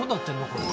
これ。